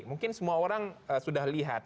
mungkin semua orang sudah lihat